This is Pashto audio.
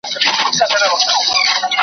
پر دې ستړو رباتونو کاروانونه به ورکیږي .